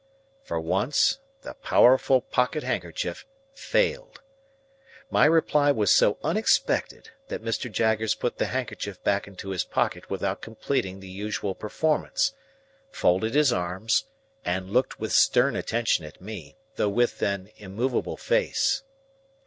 For once, the powerful pocket handkerchief failed. My reply was so unexpected, that Mr. Jaggers put the handkerchief back into his pocket without completing the usual performance, folded his arms, and looked with stern attention at me, though with an immovable face.